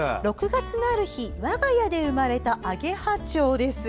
６月のある日、我が家で生まれたアゲハチョウです。